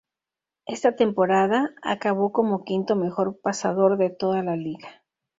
Esa temporada acabó como quinto mejor pasador de toda la liga.